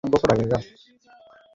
তাহাতেই যদি তুমি সুখী হও, তবে তাই হউক।